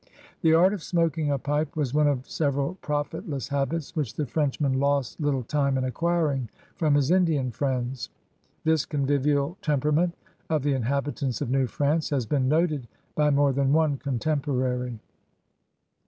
The art of smoking a pipe was one of several profitless habits which the Frenchman lost little time in acquiring from his Indian friends. This convivial temperament of the inhabitants of New France has been noted by more than one contemporary.